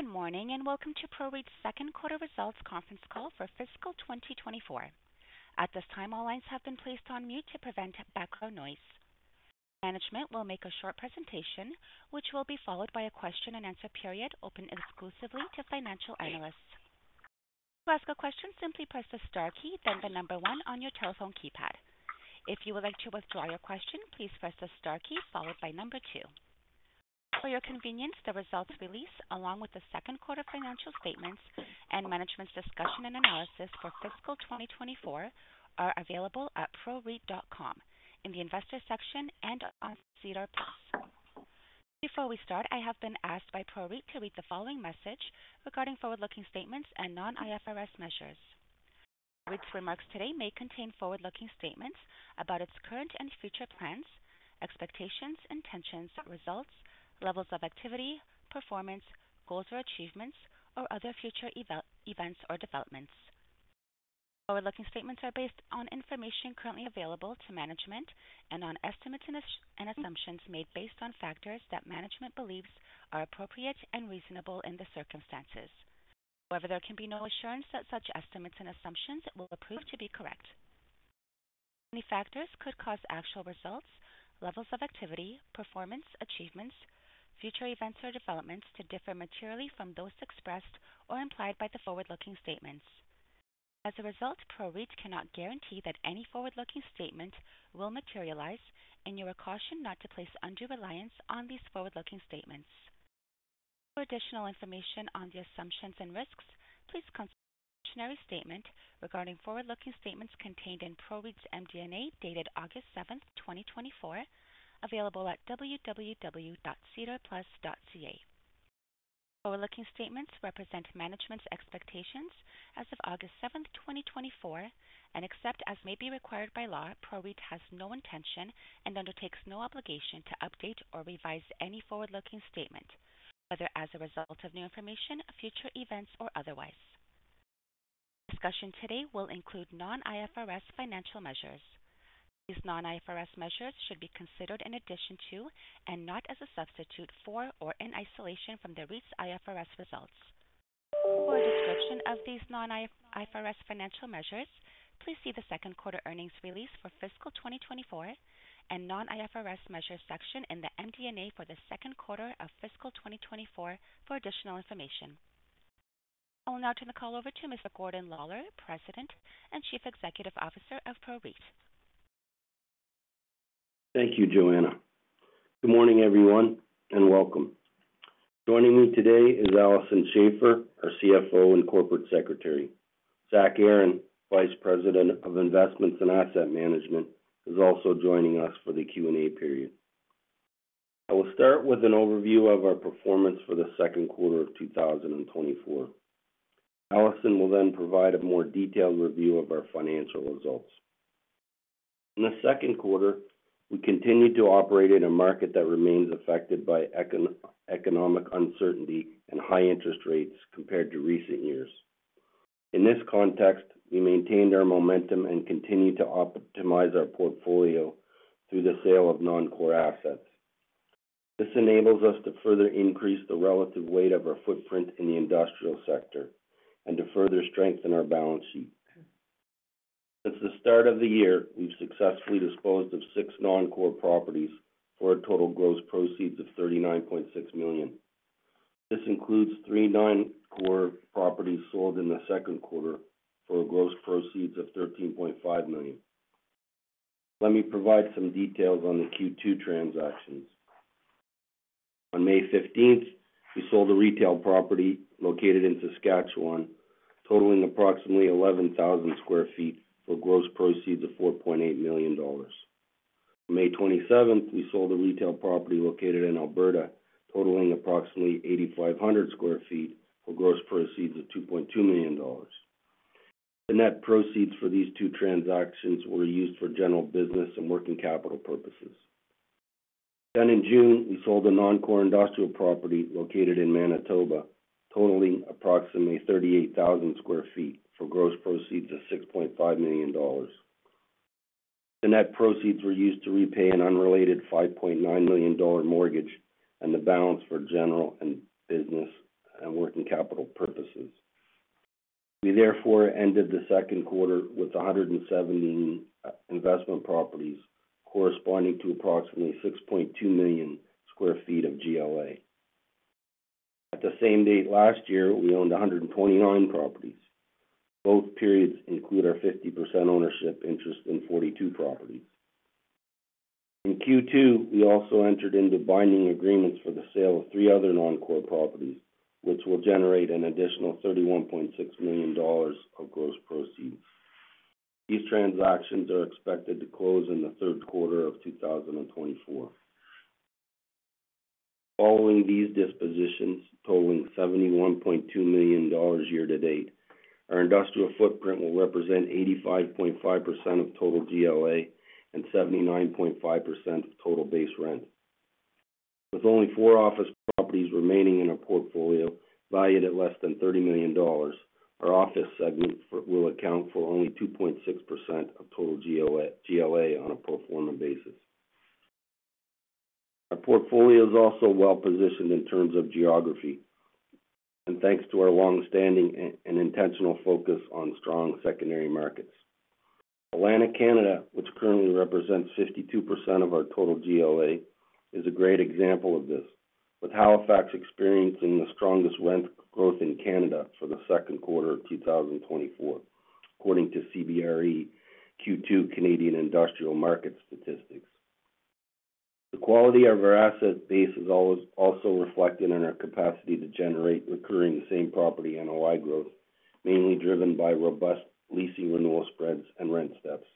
Good morning, and welcome to PROREIT's Second Quarter Results Conference Call for Fiscal 2024. At this time, all lines have been placed on mute to prevent background noise. Management will make a short presentation, which will be followed by a Q&A period open exclusively to financial analysts. To ask a question, simply press the star key, then the number one on your telephone keypad. If you would like to withdraw your question, please press the star key followed by number two. For your convenience, the results release, along with the second quarter financial statements and Management's Discussion and Analysis for fiscal 2024, are available at proreit.com in the Investors section and on SEDAR+. Before we start, I have been asked by PROREIT to read the following message regarding forward-looking statements and non-IFRS measures. PROREIT's remarks today may contain forward-looking statements about its current and future plans, expectations, intentions, results, levels of activity, performance, goals or achievements, or other future events or developments. Forward-looking statements are based on information currently available to management and on estimates and assumptions made based on factors that management believes are appropriate and reasonable in the circumstances. However, there can be no assurance that such estimates and assumptions will prove to be correct. Many factors could cause actual results, levels of activity, performance, achievements, future events or developments to differ materially from those expressed or implied by the forward-looking statements. As a result, PROREIT cannot guarantee that any forward-looking statement will materialize, and you are cautioned not to place undue reliance on these forward-looking statements. For additional information on the assumptions and risks, please consider the cautionary statement regarding forward-looking statements contained in PROREIT's MD&A, dated August seventh, 2024, available at www.sedarplus.ca. Forward-looking statements represent management's expectations as of August seventh, 2024, and except as may be required by law, PROREIT has no intention and undertakes no obligation to update or revise any forward-looking statement, whether as a result of new information, future events, or otherwise. Discussion today will include non-IFRS financial measures. These non-IFRS measures should be considered in addition to, and not as a substitute for or in isolation from, the REIT's IFRS results. For a description of these non-IFRS financial measures, please see the second quarter earnings release for fiscal 2024 and non-IFRS measures section in the MD&A for the second quarter of fiscal 2024 for additional information. I'll now turn the call over to Mr. Gordon Lawlor, President and Chief Executive Officer of PROREIT. Thank you, Joanna. Good morning, everyone, and welcome. Joining me today is Alison Schafer, our CFO and Corporate Secretary. Zach Aaron Vice President of Investments and Asset Management, is also joining us for the Q&A period. I will start with an overview of our performance for the second quarter of 2024. Alison will then provide a more detailed review of our financial results. In the second quarter, we continued to operate in a market that remains affected by economic uncertainty and high interest rates compared to recent years. In this context, we maintained our momentum and continued to optimize our portfolio through the sale of non-core assets. This enables us to further increase the relative weight of our footprint in the industrial sector and to further strengthen our balance sheet. Since the start of the year, we've successfully disposed of 6 non-core properties for a total gross proceeds of CAD $39.6 million. This includes 3 non-core properties sold in the second quarter for a gross proceeds of CAD $13.5 million. Let me provide some details on the Q2 transactions. On May fifteenth, we sold a retail property located in Saskatchewan, totaling approximately 11,000 sq ft for gross proceeds of CAD $4.8 million. On May twenty-seventh, we sold a retail property located in Alberta, totaling approximately 8,500 sq ft for gross proceeds of CAD $2.2 million. The net proceeds for these two transactions were used for general business and working capital purposes. Then in June, we sold a non-core industrial property located in Manitoba, totaling approximately 38,000 sq ft for gross proceeds of CAD $6.5 million. The net proceeds were used to repay an unrelated CAD $5.9 million mortgage and the balance for general and business and working capital purposes. We therefore ended the second quarter with 117 investment properties, corresponding to approximately 6.2 million sq ft of GLA. At the same date last year, we owned 129 properties. Both periods include our 50% ownership interest in 42 properties. In Q2, we also entered into binding agreements for the sale of 3 other non-core properties, which will generate an additional CAD $31.6 million of gross proceeds. These transactions are expected to close in the third quarter of 2024. Following these dispositions, totaling CAD $71.2 million year to date, our industrial footprint will represent 85.5% of total GLA and 79.5% of total base rent. With only four office properties remaining in our portfolio valued at less than CAD $30 million, our office segment for will account for only 2.6% of total GLA on a pro forma basis. Our portfolio is also well-positioned in terms of geography, and thanks to our long-standing and intentional focus on strong secondary markets. Atlantic Canada, which currently represents 52% of our total GLA, is a great example of this, with Halifax experiencing the strongest rent growth in Canada for the second quarter of 2024, according to CBRE Q2 Canadian industrial market statistics. The quality of our asset base is always also reflected in our capacity to generate recurring Same-Property NOI growth, mainly driven by robust leasing renewal spreads and rent steps.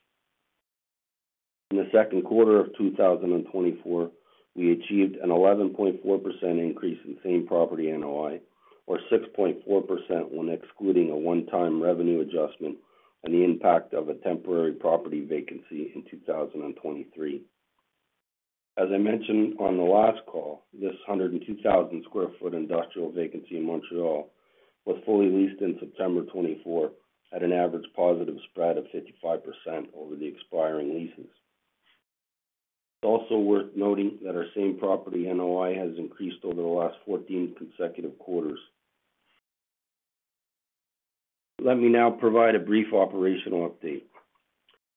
In the second quarter of 2024, we achieved an 11.4% increase in Same-Property NOI, or 6.4% when excluding a one-time revenue adjustment and the impact of a temporary property vacancy in 2023. As I mentioned on the last call, this 102,000 sq ft industrial vacancy in Montreal was fully leased in September 2024, at an average positive spread of 55% over the expiring leases. It's also worth noting that our Same-Property NOI has increased over the last 14 consecutive quarters. Let me now provide a brief operational update.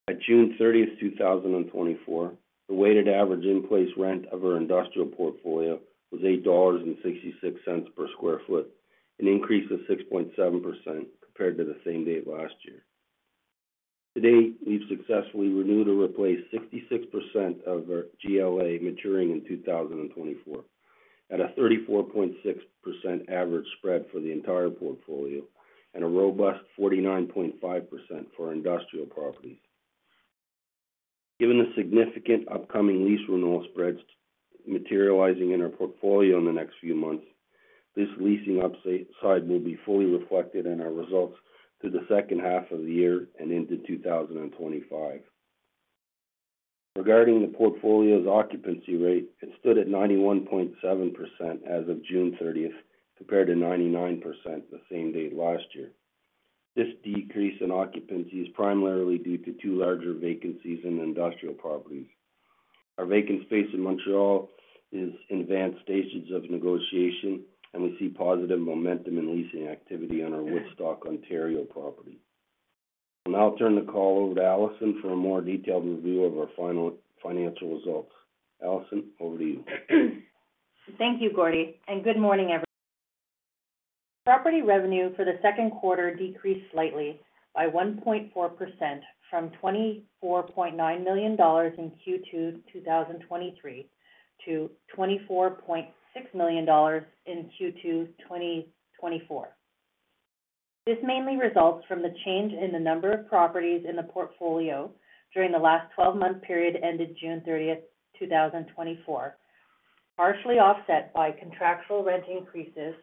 By June 30, 2024, the weighted average in-place rent of our industrial portfolio was CAD $8.66 per sq ft, an increase of 6.7% compared to the same date last year. To date, we've successfully renewed or replaced 66% of our GLA maturing in 2024, at a 34.6% average spread for the entire portfolio and a robust 49.5% for our industrial properties. Given the significant upcoming lease renewal spreads materializing in our portfolio in the next few months, this leasing upside will be fully reflected in our results through the second half of the year and into 2025. Regarding the portfolio's occupancy rate, it stood at 91.7% as of June 30, compared to 99% the same date last year. This decrease in occupancy is primarily due to two larger vacancies in industrial properties. Our vacant space in Montreal is in advanced stages of negotiation, and we see positive momentum in leasing activity on our Woodstock, Ontario, property. I'll now turn the call over to Alison for a more detailed review of our final financial results. Alison, over to you. Thank you, Gordie, and good morning, everyone. Property revenue for the second quarter decreased slightly by 1.4% from CAD $24.9 million in Q2 2023 to CAD $24.6 million in Q2 2024. This mainly results from the change in the number of properties in the portfolio during the last twelve-month period ended June 30th, 2024, partially offset by contractual rent increases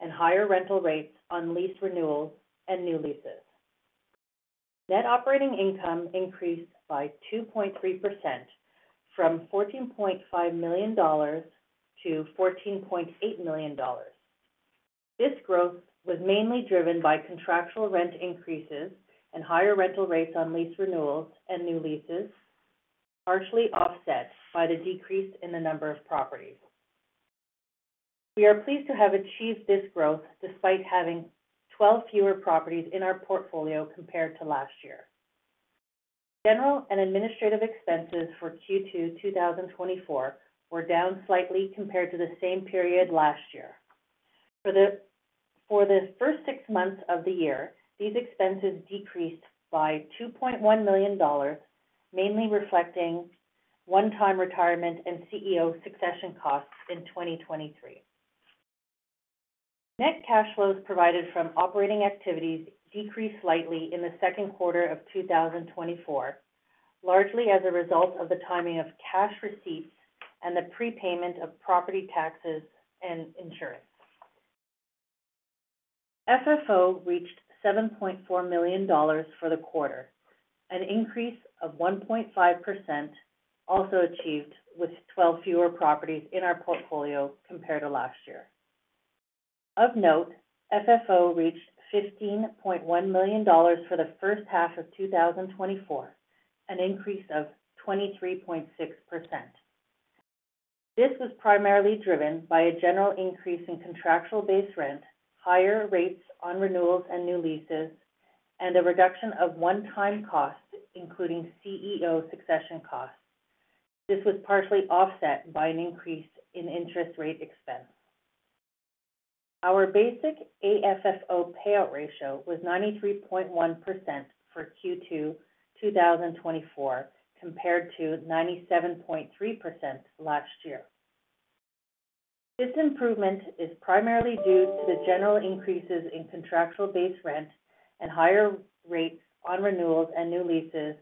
and higher rental rates on lease renewals and new leases. Net operating income increased by 2.3% from CAD $14.5 million to CAD $14.8 million. This growth was mainly driven by contractual rent increases and higher rental rates on lease renewals and new leases, partially offset by the decrease in the number of properties. We are pleased to have achieved this growth despite having 12 fewer properties in our portfolio compared to last year. General and administrative expenses for Q2 2024 were down slightly compared to the same period last year. For the, for the first six months of the year, these expenses decreased by CAD $2.1 million, mainly reflecting one-time retirement and CEO succession costs in 2023. Net cash flows provided from operating activities decreased slightly in the second quarter of 2024, largely as a result of the timing of cash receipts and the prepayment of property taxes and insurance. FFO reached CAD $7.4 million for the quarter, an increase of 1.5%, also achieved with 12 fewer properties in our portfolio compared to last year. Of note, FFO reached CAD $15.1 million for the first half of 2024, an increase of 23.6%. This was primarily driven by a general increase in contractual base rent, higher rates on renewals and new leases, and a reduction of one-time costs, including CEO succession costs. This was partially offset by an increase in interest rate expense. Our basic AFFO payout ratio was 93.1% for Q2 2024, compared to 97.3% last year. This improvement is primarily due to the general increases in contractual base rent and higher rates on renewals and new leases,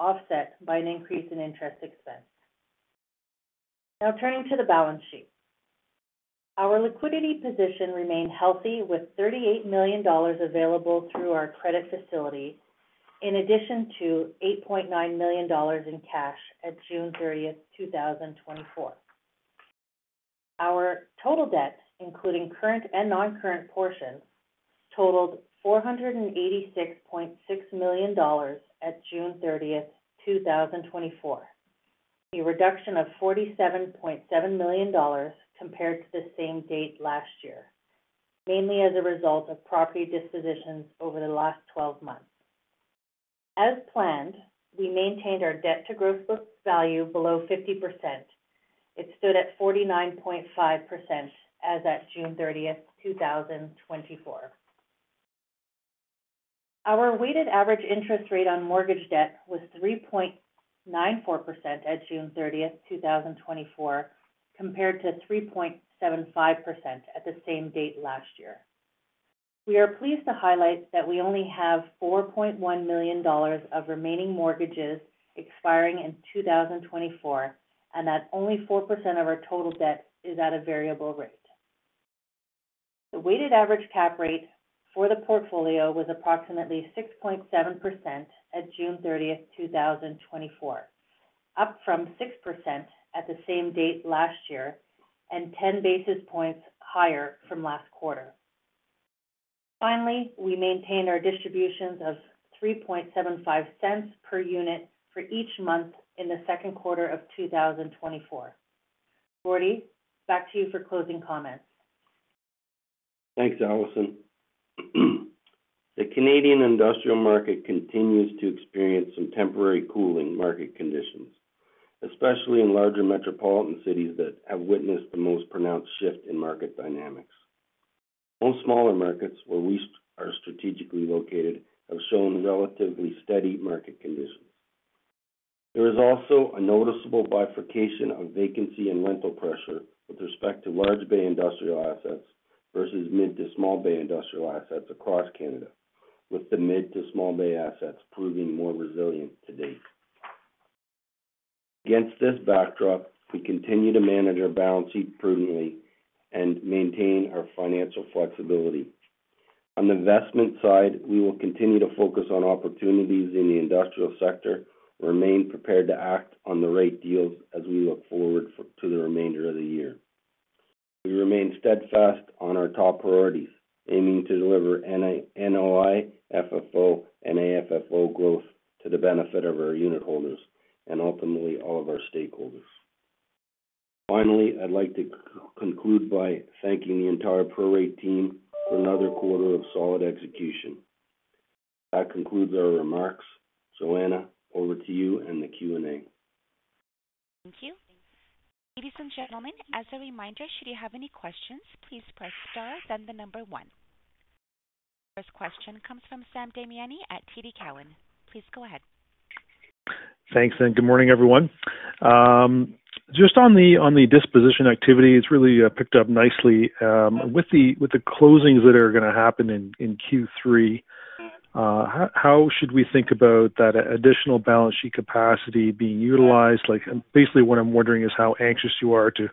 offset by an increase in interest expense. Now turning to the balance sheet. Our liquidity position remained healthy, with CAD $38 million available through our credit facility, in addition to CAD $8.9 million in cash at June 30th, 2024. Our total debt, including current and non-current portions, totaled CAD $486.6 million at June 30, 2024, a reduction of CAD $47.7 million compared to the same date last year, mainly as a result of property dispositions over the last 12 months. As planned, we maintained our debt to gross book value below 50%. It stood at 49.5% as at June 30th, 2024. Our weighted average interest rate on mortgage debt was 3.94% at June 30th, 2024, compared to 3.75% at the same date last year. We are pleased to highlight that we only have CAD $4.1 million of remaining mortgages expiring in 2024, and that only 4% of our total debt is at a variable rate. The weighted average cap rate for the portfolio was approximately 6.7% at June 30th, 2024, up from 6% at the same date last year and 10 basis points higher from last quarter. Finally, we maintained our distributions of 0.0375 per unit for each month in the second quarter of 2024. Gordie, back to you for closing comments. Thanks, Alison. The Canadian industrial market continues to experience some temporary cooling market conditions, especially in larger metropolitan cities that have witnessed the most pronounced shift in market dynamics. Most smaller markets, where we are strategically located, have shown relatively steady market conditions. There is also a noticeable bifurcation of vacancy and rental pressure with respect to large bay industrial assets versus mid to small bay industrial assets across Canada, with the mid to small bay assets proving more resilient to date. Against this backdrop, we continue to manage our balance sheet prudently and maintain our financial flexibility. On the investment side, we will continue to focus on opportunities in the industrial sector, remain prepared to act on the right deals as we look forward to the remainder of the year. We remain steadfast on our top priorities, aiming to deliver NOI, FFO, and AFFO growth to the benefit of our unit holders and ultimately all of our stakeholders. Finally, I'd like to conclude by thanking the entire PROREIT team for another quarter of solid execution. That concludes our remarks. Joanna, over to you and the Q&A. Thank you. Ladies and gentlemen, as a reminder, should you have any questions, please press star, then the number one. First question comes from Sam Damiani at TD Cowen. Please go ahead. Thanks, and good morning, everyone. Just on the, on the disposition activity, it's really, picked up nicely. With the, with the closings that are going to happen in, in Q3, how, how should we think about that additional balance sheet capacity being utilized? Like, basically, what I'm wondering is how anxious you are to,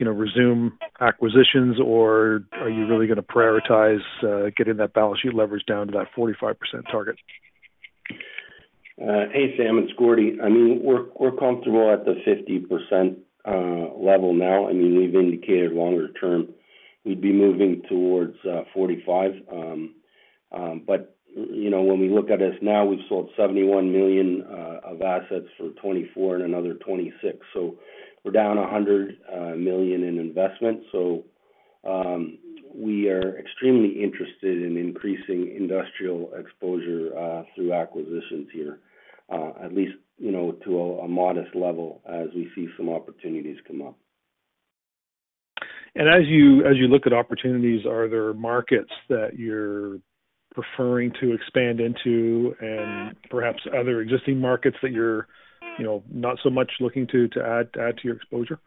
you know, resume acquisitions, or are you really going to prioritize, getting that balance sheet leverage down to that 45% target? Hey, Sam, it's Gordie. I mean, we're comfortable at the 50% level now. I mean, we've indicated longer term, we'd be moving towards 45%. But, you know, when we look at us now, we've sold CAD $71 million of assets for CAD $24 million and another CAD $26 million. So we're down CAD $100 million in investments. So, we are extremely interested in increasing industrial exposure through acquisitions here, at least, you know, to a modest level as we see some opportunities come up. And as you, as you look at opportunities, are there markets that you're preferring to expand into and perhaps other existing markets that you're, you know, not so much looking to add to your exposure?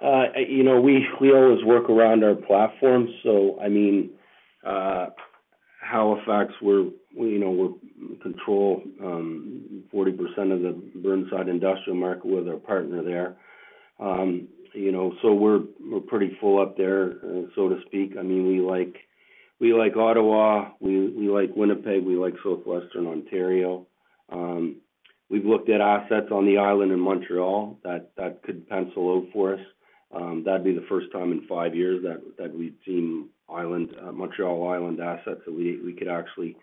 You know, we we always work around our platform. So, I mean, Halifax, you know, we control 40% of the Burnside industrial market with our partner there. You know, so we're pretty full up there, so to speak. I mean, we like Ottawa, we like Winnipeg, we like Southwestern Ontario. We've looked at assets on the island in Montreal that could pencil out for us. That'd be the first time in five years that we've seen island, Montreal Island assets that we could actually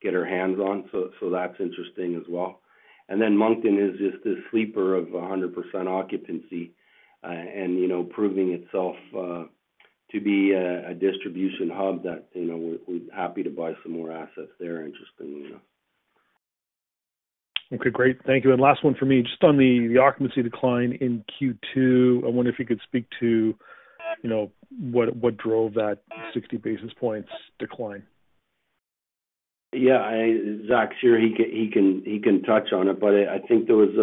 get our hands on. So, that's interesting as well. And then Moncton is just a sleeper of 100% occupancy, and, you know, proving itself to be a distribution hub that, you know, we're happy to buy some more assets there interestingly enough. Okay, great. Thank you. Last one for me. Just on the occupancy decline in Q2, I wonder if you could speak to, you know, what what drove that 60 basis points decline. Yeah, Zach, sure, he can touch on it, but I think there was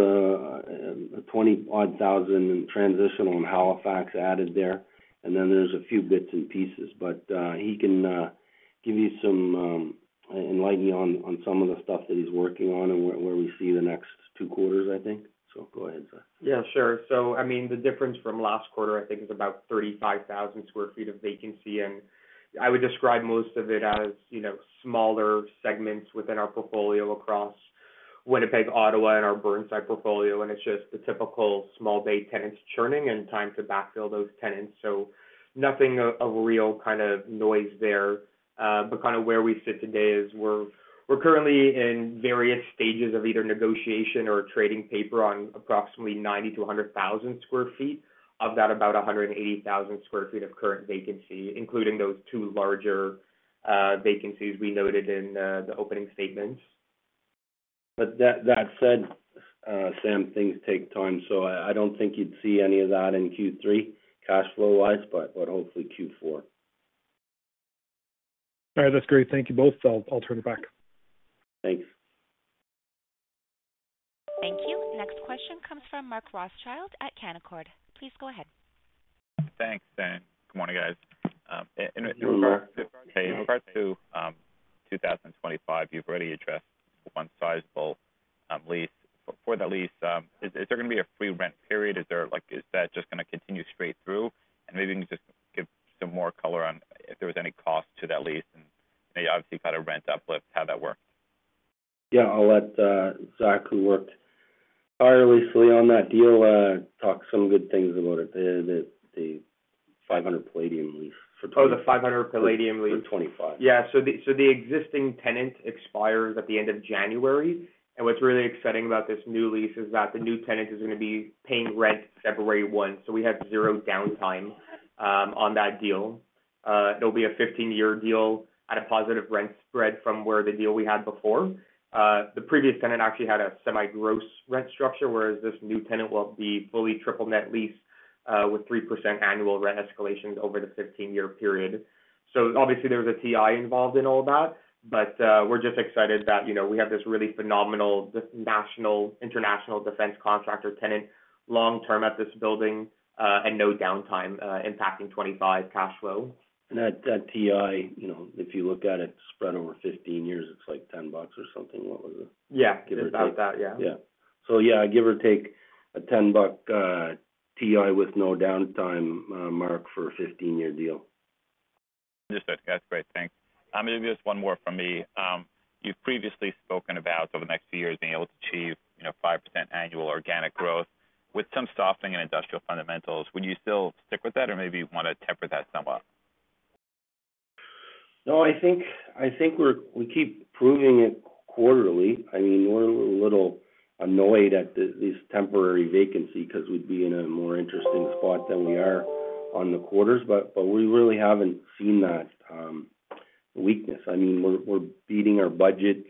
CAD $20,000-odd in transition on Halifax asset there, and then there's a few bits and pieces. But he can give you some enlighten you on some of the stuff that he's working on and where we see the next two quarters, I think. So go ahead, Zach. Yeah, sure. So I mean, the difference from last quarter, I think, is about 35,000 sq ft of vacancy. And I would describe most of it as, you know, smaller segments within our portfolio across,... Winnipeg, Ottawa, and our Burnside portfolio, and it's just the typical small bay tenants churning and time to backfill those tenants. So nothing of real kind of noise there. But kind of where we sit today is we're currently in various stages of either negotiation or trading paper on approximately 90-100 thousand sq ft. Of that, about 180,000 sq ft of current vacancy, including those two larger vacancies we noted in the opening statements. But that said, Sam, things take time, so I don't think you'd see any of that in Q3, cash flow wise, but hopefully Q4. All right. That's great. Thank you both. I'll, I'll turn it back. Thanks. Thank you. Next question comes from Mark Rothschild at Canaccord. Please go ahead. Thanks, and good morning, guys. In regard to 2025, you've already addressed one sizable lease. But for the lease, is there gonna be a free rent period? Is there—like, is that just gonna continue straight through? And maybe you can just give some more color on if there was any cost to that lease and obviously kind of rent uplift, how that works. Yeah, I'll let Zach, who worked tirelessly on that deal, talk some good things about it. The 500 Palladium lease for- Oh, the 500 Palladium lease. For twenty-five. Yeah. So the existing tenant expires at the end of January. And what's really exciting about this new lease is that the new tenant is gonna be paying rent February 1, so we have zero downtime on that deal. It'll be a 15-year deal at a positive rent spread from where the deal we had before. The previous tenant actually had a semi-gross rent structure, whereas this new tenant will be fully triple net leased with 3% annual rent escalations over the 15-year period. So obviously, there's a TI involved in all that, but we're just excited that, you know, we have this really phenomenal, this national, international defense contractor tenant long term at this building and no downtime impacting 2025 cash flow. That TI, you know, if you look at it, spread over 15 years, it's like 10 bucks or something. What was it? Yeah. Give or take. About that, yeah. Yeah. So yeah, give or take a 10-buck TI with no downtime, Mark, for a 15-year deal. Understood. That's great. Thanks. Maybe just one more from me. You've previously spoken about, over the next few years, being able to achieve, you know, 5% annual organic growth. With some softening in industrial fundamentals, would you still stick with that or maybe want to temper that somewhat? No, I think, I think we're—we keep proving it quarterly. I mean, we're a little annoyed at this temporary vacancy, because we'd be in a more interesting spot than we are on the quarters, but we really haven't seen that weakness. I mean, we're we're beating our budgets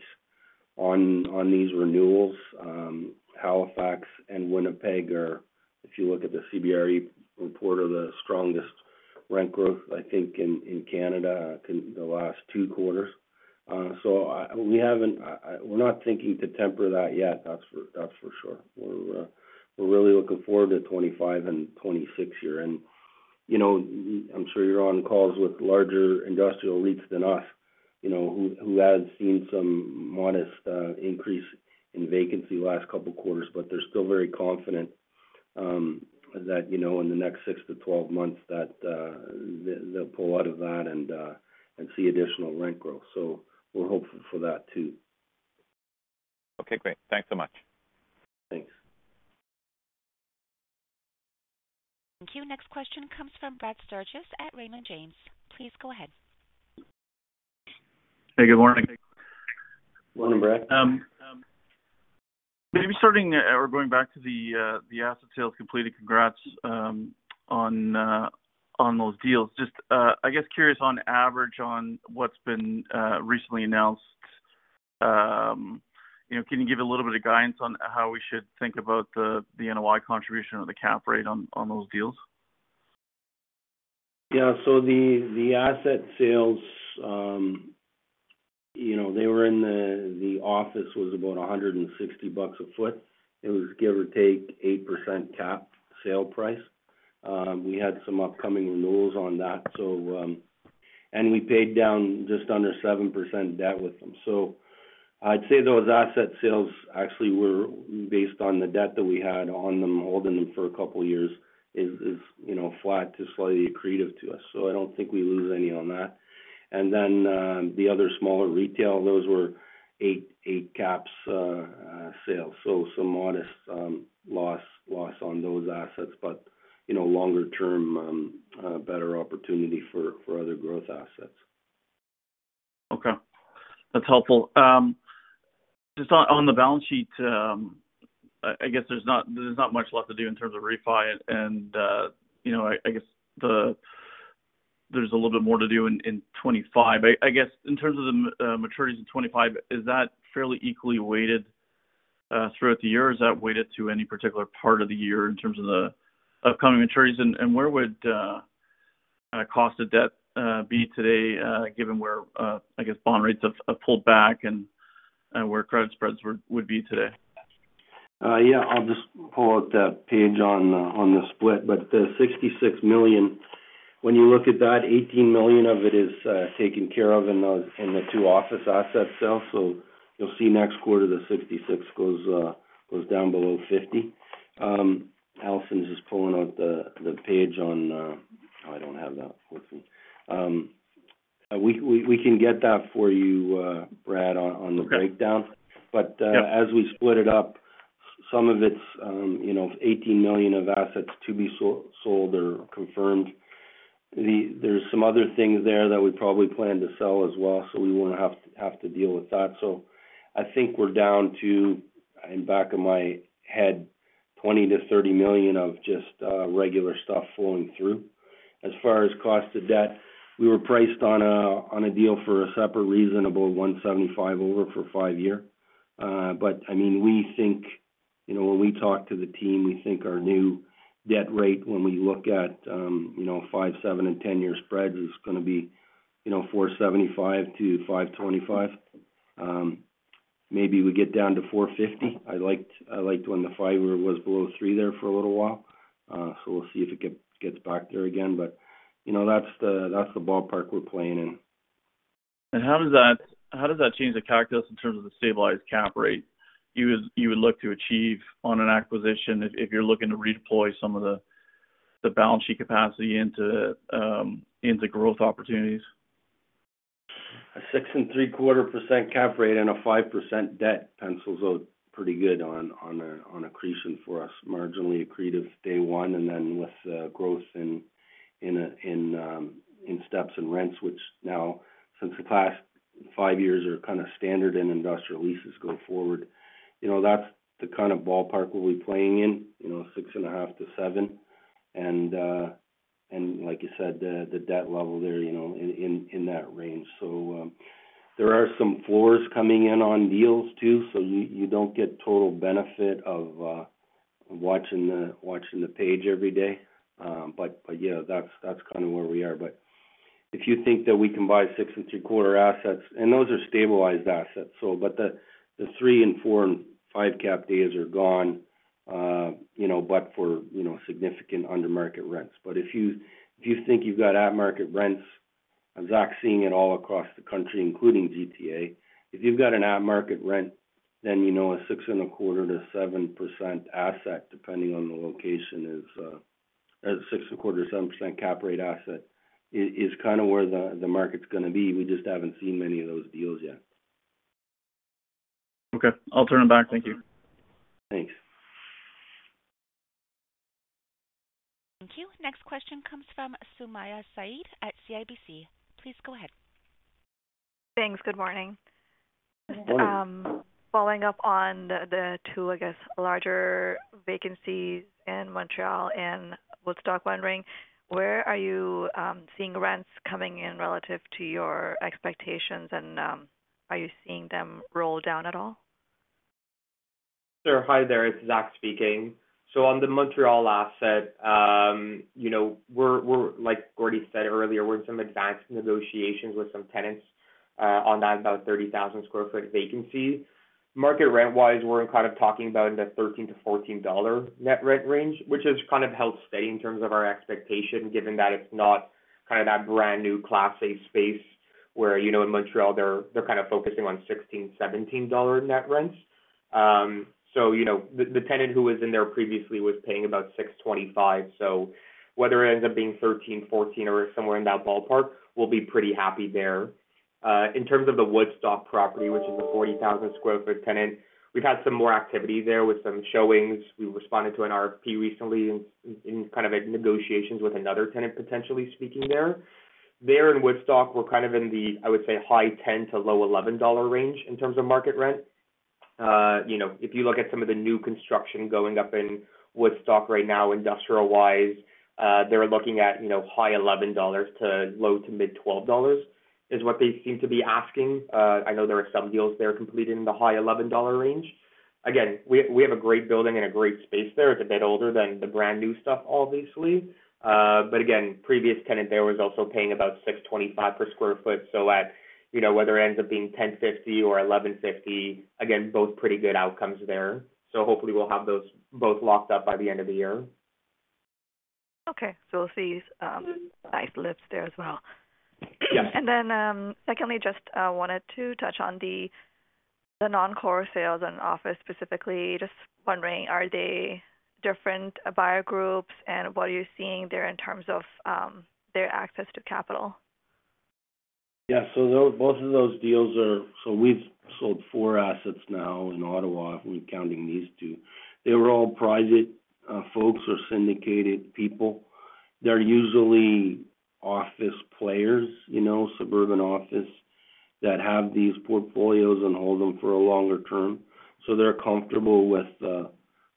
on on these renewals. Halifax and Winnipeg are, if you look at the CBRE report, the strongest rent growth, I think, in in Canada in the last two quarters. So we haven't—we're not thinking to temper that yet, that's that's for sure. We're really looking forward to 2025 and 2026 here. You know, I'm sure you're on calls with larger industrial leads than us, you know, who have seen some modest increase in vacancy last couple quarters, but they're still very confident that, you know, in the next 6 to 12 months that they'll pull out of that and and see additional rent growth. So we're hopeful for that, too. Okay, great. Thanks so much. Thanks. Thank you. Next question comes from Brad Sturges at Raymond James. Please go ahead. Hey, good morning. Morning, Brad. Maybe starting or going back to the asset sales completed. Congrats on those deals. Just I guess curious on average on what's been recently announced, you know, can you give a little bit of guidance on how we should think about the NOI contribution or the Cap Rate on those deals? Yeah, so the the asset sales, you know, they were in the office was about 160 bucks a sq ft. It was, give or take, 8% cap sale price. We had some upcoming renewals on that, so. And we paid down just under 7% debt with them. So I'd say those asset sales actually were based on the debt that we had on them, holding them for a couple of years is is, you know, flat to slightly accretive to us. So I don't think we lose any on that. And then, the other smaller retail, those were 8 caps, sales. So some modest, loss loss on those assets, but, you know, longer term, better opportunity for other growth assets. Okay. That's helpful. Just on the balance sheet, I guess there's not, there's not much left to do in terms of refi and, you know, there's a little bit more to do in in 2025. I guess in terms of the maturities in 2025, is that fairly equally weighted throughout the year? Or is that weighted to any particular part of the year in terms of the upcoming maturities? And where would kind of cost of debt be today, given where I guess bond rates have pulled back and where credit spreads would be today? Yeah, I'll just pull out that page on on the split. But the CAD $66 million, when you look at that, CAD $18 million of it is taken care of in the two office asset sales. So you'll see next quarter, the 66 goes down below 50. Alison is just pulling up the page on... Oh, I don't have that with me. We can get that for you, Brad, on the breakdown. Okay. But, uh- Yeah. as we split it up, some of it's, you know, CAD $18 million of assets to be sold or confirmed. There's some other things there that we probably plan to sell as well, so we wouldn't have to deal with that. So I think we're down to, in back of my head, CAD $20 million-CAD $30 million of just, regular stuff flowing through. As far as cost of debt, we were priced on a, on a deal for a separate reason, about 175 over for 5-year. But I mean, we think, you know, when we talk to the team, we think our new debt rate, when we look at, you know, 5-, 7-, and 10-year spreads, is gonna be, you know, 475-525. Maybe we get down to 450. I liked, I liked when the fiver was below 3 there for a little while. So we'll see if it get gets back there again. But, you know, that's the ballpark we're playing in. And how does that, how does that change the calculus in terms of the stabilized cap rate you would, you would look to achieve on an acquisition if you're looking to redeploy some of the balance sheet capacity into into growth opportunities? A 6.75% cap rate and a 5% debt pencils out pretty good on on on accretion for us. Marginally accretive day one, and then with growth in in in steps and rents, which now, since the past 5 years, are kind of standard in industrial leases going forward. You know, that's the kind of ballpark we'll be playing in, you know, 6.5%-7%. And like you said, the debt level there, you know, in in that range. So, there are some floors coming in on deals, too, so you don't get total benefit of watching watching the page every day. But, yeah, that's kind of where we are. But if you think that we can buy 6.75 assets, and those are stabilized assets, so, but the 3, 4, and 5 cap days are gone, you know, but for, you know, significant under-market rents. But if you, if you think you've got at-market rents, and Zach's seeing it all across the country, including GTA. If you've got an at-market rent, then you know, a 6.25%-7% asset, depending on the location, is, a 6.25%-7% cap rate asset is, is kind of where the market's gonna be. We just haven't seen many of those deals yet. Okay, I'll turn it back. Thank you. Thanks. Thank you. Next question comes from Sumayya Syed at CIBC. Please go ahead. Thanks. Good morning. Good morning. Following up on the two, I guess, larger vacancies in Montreal and Woodstock, wondering where you are seeing rents coming in relative to your expectations, and are you seeing them roll down at all? Sure. Hi there, it's Zach speaking. So on the Montreal asset, you know, we're, we're, like Gordie said earlier, we're in some advanced negotiations with some tenants, on that, about 30,000 sq ft vacancy. Market rent-wise, we're kind of talking about in the CAD $13-CAD $14 net rent range, which has kind of held steady in terms of our expectation, given that it's not kind of that brand-new Class A space, where, you know, in Montreal, they're, they're kind of focusing on sixteen, seventeen dollar net rents. So, you know, the, the tenant who was in there previously was paying about CAD $6.25. So whether it ends up being thirteen, fourteen, or somewhere in that ballpark, we'll be pretty happy there. In terms of the Woodstock property, which is a 40,000 sq ft tenant, we've had some more activity there with some showings. We responded to an RFP recently and kind of in negotiations with another tenant, potentially speaking there. There in Woodstock, we're kind of in the, I would say, high-10 to low-11 CAD range in terms of market rent. You know, if you look at some of the new construction going up in Woodstock right now, industrial-wise, they're looking at, you know, high-11 CAD to low- to mid-12 CAD, is what they seem to be asking. I know there are some deals there completed in the high-11 CAD range. Again, we we have a great building and a great space there. It's a bit older than the brand-new stuff, obviously. But again, previous tenant there was also paying about $6.25 CAD per sq ft. So at, you know, whether it ends up being 10.50 or 11.50, again, both pretty good outcomes there. So hopefully we'll have those both locked up by the end of the year. Okay. So we'll see, nice lifts there as well. Yes. And then, secondly, just wanted to touch on the non-core sales and office specifically. Just wondering, are they different buyer groups, and what are you seeing there in terms of their access to capital? Yeah, so those, both of those deals are... So we've sold four assets now in Ottawa, if we're counting these two. They were all private, folks or syndicated people. They're usually office players, you know, suburban office, that have these portfolios and hold them for a longer term. So they're comfortable with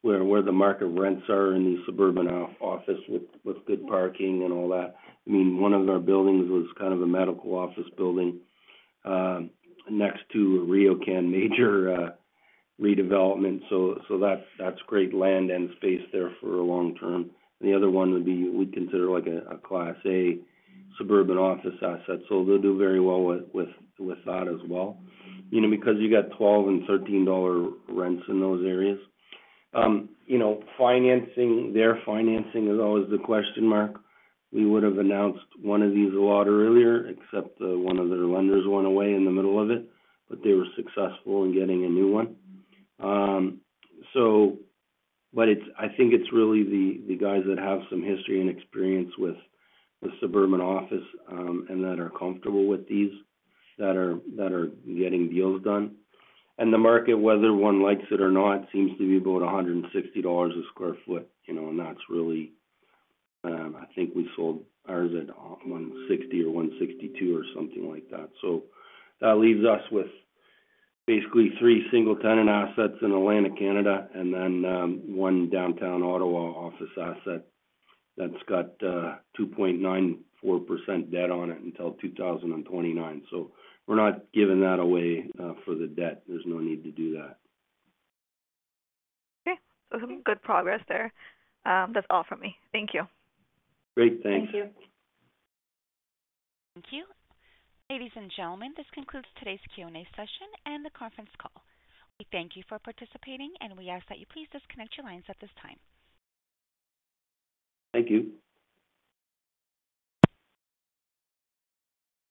where the market rents are in the suburban office with good parking and all that. I mean, one of our buildings was kind of a medical office building next to a RioCan major redevelopment. So so that's great land and space there for a long term. The other one would be, we'd consider like a Class A suburban office asset, so they'll do very well with with with that as well. You know, because you got CAD $12- and CAD $13-dollar rents in those areas. You know, financing, their financing is always the question mark. We would have announced one of these a lot earlier, except one of their lenders went away in the middle of it, but they were successful in getting a new one. So, but it's—I think it's really the the guys that have some history and experience with the suburban office, and that are comfortable with these, that are, that are getting deals done. And the market, whether one likes it or not, seems to be about CAD $160 a sq ft, you know, and that's really, I think we sold ours at 160 or 162 or something like that. So that leaves us with basically three single-tenant assets in Atlantic Canada, and then one downtown Ottawa office asset that's got 2.94% debt on it until 2029. So we're not giving that away for the debt. There's no need to do that. Okay. Some good progress there. That's all from me. Thank you. Great. Thanks. Thank you. Thank you. Ladies and gentlemen, this concludes today's Q&A session and the conference call. We thank you for participating, and we ask that you please disconnect your lines at this time. Thank you.